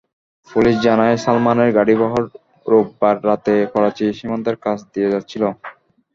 Police জানায়, সালমানের গাড়িবহর রোববার রাতে করাচি সীমান্তের কাছ দিয়ে যাচ্ছিল।